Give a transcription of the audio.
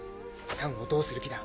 サンをどうする気だ？